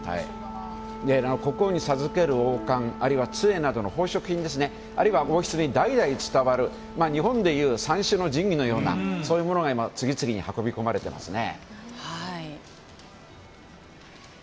国王に授ける王冠あるいは杖などの宝飾品ですねあるいは王室に代々伝わる日本でいう三種の神器のようなそういうものが今、次々に運び込まれていますね。